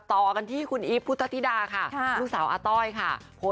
ต่อกันที่คุณอีฟพุทธฤดาค่ะ